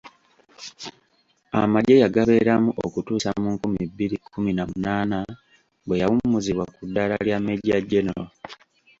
Amagye yagabeeramu okutuusa mu nkumi bbiri kkumi na munaana bwe yawummuzibwa ku ddala lya Major General